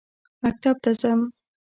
مکتب ته ځم.